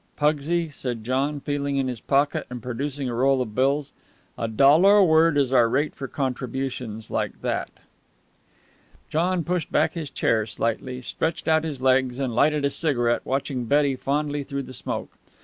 "Pugsy," said John, feeling in his pocket, and producing a roll of bills, "a dollar a word is our rate for contributions like that." John pushed back his chair slightly, stretched out his legs, and lighted a cigarette, watching Betty fondly through the smoke.